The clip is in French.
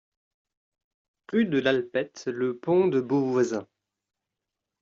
Rue de l'Alpette, Le Pont-de-Beauvoisin